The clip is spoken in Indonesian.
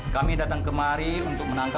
kami datang kemari untuk mencari edo